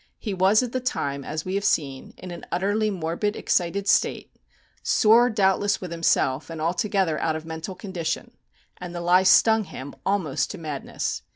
He was at the time, as we have seen, in an utterly morbid, excited state, sore doubtless with himself, and altogether out of mental condition, and the lie stung him almost to madness.